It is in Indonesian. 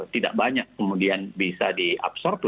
tidak banyak kemudian bisa diabsorb